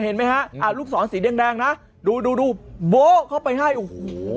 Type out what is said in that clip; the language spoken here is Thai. เห็นไหมฮะอ่าลูกศรสีแดงนะดูดูโบ๊ะเข้าไปให้โอ้โห